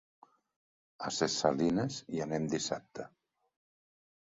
A Ses Salines hi anem dissabte.